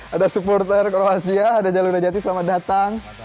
ada supporter kroasia ada jalur najati selamat datang